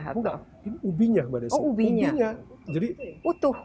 enggak ini ubinya pada saat itu